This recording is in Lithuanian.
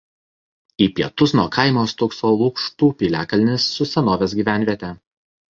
Į pietus nuo kaimo stūkso Lukštų piliakalnis su senovės gyvenviete.